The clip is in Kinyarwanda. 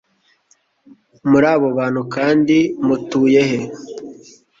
Muri abo bantu kandi mutuye he